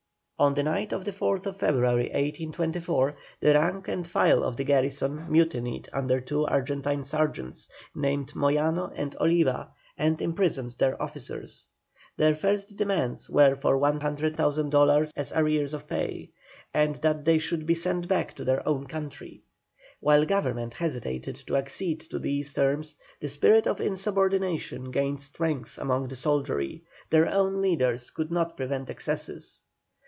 On the night of the 4th February, 1824, the rank and file of the garrison mutinied under two Argentine sergeants, named Moyano and Oliva, and imprisoned their officers. Their first demands were for 100,000 dollars as arrears of pay, and that they should be sent back to their own country. While Government hesitated to accede to these terms the spirit of insubordination gained strength among the soldiery, their own leaders could not prevent excesses.